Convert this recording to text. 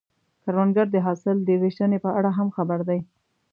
کروندګر د حاصل د ویشنې په اړه هم خبر دی